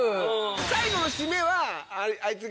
最後の締めはあいつが。